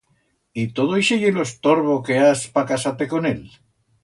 Y todo ixe ye lo estorbo que has pa casar-te con él?